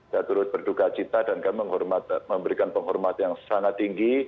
saya turut berduka cita dan kami memberikan penghormat yang sangat tinggi